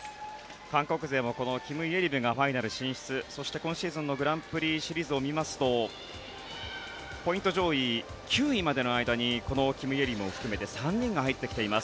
韓国勢もこのキム・イェリムがファイナル進出そして今シーズンのグランプリシリーズを見ますとポイント上位９位までの間にこのキム・イェリムを含めて３人が入ってきています。